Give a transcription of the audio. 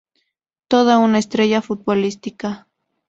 Toda una Estrella Futbolística.